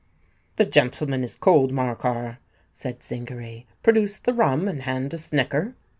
"The gentleman is cold, Morcar," said Zingary: "produce the rum, and hand a snicker."